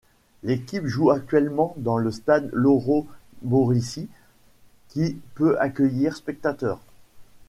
L'équipe joue actuellement dans le Stade Loro-Boriçi qui peut accueillir spectateurs.